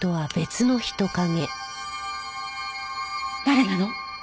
誰なの？